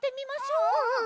うん。